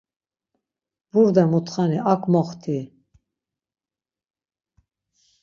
Burde mutxani, ak moxti!